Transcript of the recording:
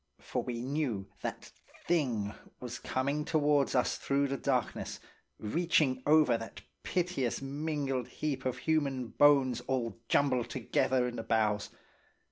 For we knew that thing was coming towards us through the darkness, reaching over that piteous mingled heap of human bones all jumbled together in the bows.